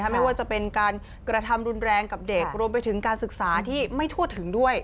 ไม่ว่าจะเป็นการกระทำรุนแรงกับเด็กรวมไปถึงการศึกษาที่ไม่ทั่วถึงด้วย